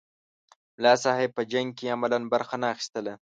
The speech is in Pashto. ملا صاحب په جنګ کې عملاً برخه نه اخیستله.